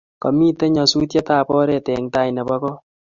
komito nyasutiet ab oret eng tai nebo kot